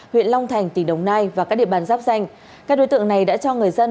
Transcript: huyện long thành tỉnh đồng nai và các địa bàn giáp danh các đối tượng này đã cho người dân